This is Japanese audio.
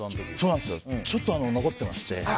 ちょっと残ってまして。